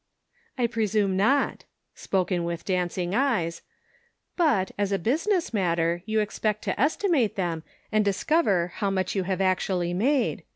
" I presume not," spoken with dancing eyes, "but, as a business matter, you expect to es timate them, and discover, how much you have actually made.